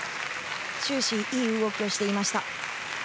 終始、いい動きをしていました。